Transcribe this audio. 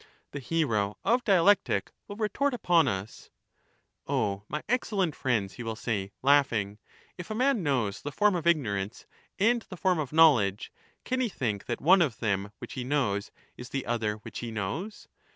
The hero of dialectic will retort upon us :—' O my excellent friends, he will say, laughing, if a man knows the form of ignorance and the form of knowledge, can he think that one of them which he knows is the other which he knows?